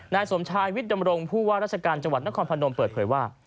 นายสมชายวิทย์ดำรงผู้ว่าราชการจังหวัดนครพนมเปิดเผยว่า